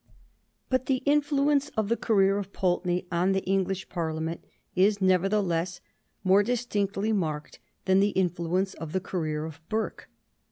But the influence of the career of Pulteney on the English Parliament is nevertheless more distinctly marked than the influence of the career of Burke.